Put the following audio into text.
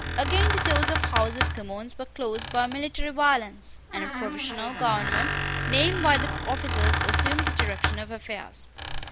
Again the doors of the House of Commons were closed by military violence; and a provisional government, named by the officers, assumed the direction of affairs.